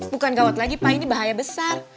bukan gawat lagi pak ini bahaya besar